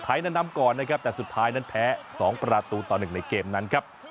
ไทยนั้นนำก่อนแต่สุดท้ายนั้นแพ้๒ประตูต่อหนึ่งในเกมนั้น